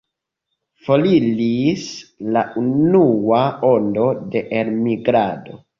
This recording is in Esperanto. Foriris la unua ondo de elmigrado.